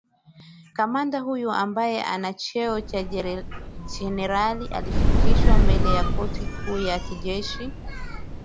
kamanda huyo ambaye ana cheo cha jenerali alifikishwa mbele ya korti kuu ya kijeshi